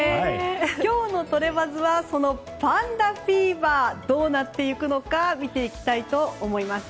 今日のトレバズはそのパンダフィーバーどうなっていくのか見ていきたいと思います。